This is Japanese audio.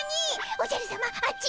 おじゃるさまあっち！